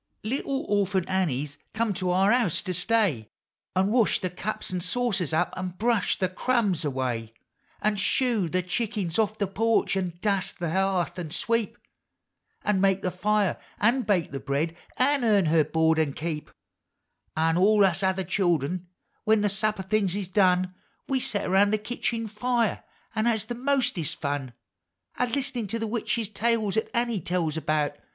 Little Orphant Annie's come to our house to stay, An' wash the cups and saucers up, an' brush the crumbs away, An' shoo the chickens off the porch, an' dust the hearth, an' sweep. An' make the fire, an' bake the bread, an' earn her board an' keep ; Hill POEUX OF HOME, Au' all us other childern, when the supper things is done. We set around the kitchen fire an' has the mostest fun A Iist'nin' to the witch tales 'at Annie tells about.